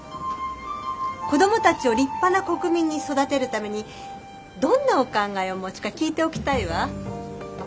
子どもたちを立派な国民に育てるためにどんなお考えをお持ちか聞いておきたいわ。